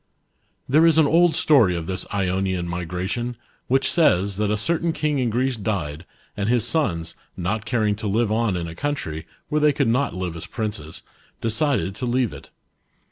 There is an old story of this Ionian migration, which says, tjiat a certain king in Greece died, and his sons, riot caring to live on in a country, where they could not live as princes, decided to kave it.